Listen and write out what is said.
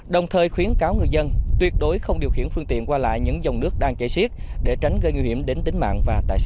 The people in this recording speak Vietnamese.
đồng thời khuyến cáo người dân tuyệt đối không điều khiển phương tiện qua lại những dòng nước đang chảy xiết để tránh gây nguy hiểm đến tính mạng và tài sản